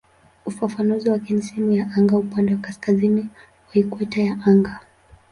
Ufafanuzi wake ni "sehemu ya anga upande wa kaskazini wa ikweta ya anga".